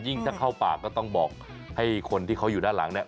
ถ้าเข้าปากก็ต้องบอกให้คนที่เขาอยู่ด้านหลังเนี่ย